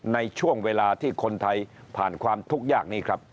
ในช่วงเวลาที่คนไทยผ่านความทุกข์ยากนี้ครับ